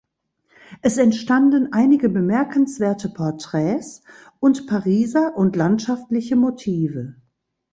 Es entstanden einige bemerkenswerte Porträts und Pariser und landschaftliche Motive.